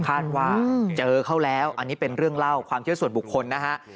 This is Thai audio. ว่าเจอเขาแล้วอันนี้เป็นเรื่องเล่าความเชื่อส่วนบุคคลนะฮะ